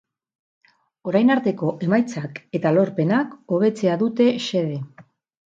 Orain arteko emaitzak eta lorpenak hobetzea dute xede.